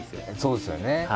そうですよね。